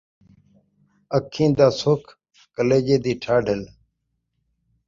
اکھیں دا سکھ، کلیجے دی ٹھاڈل